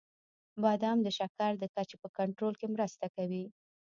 • بادام د شکر د کچې په کنټرول کې مرسته کوي.